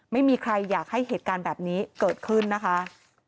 ไม่มีใครอยากให้เหตุการณ์แบบนี้เกิดขึ้นนะคะ